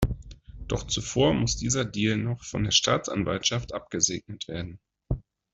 Doch zuvor muss dieser Deal noch von der Staatsanwaltschaft abgesegnet werden.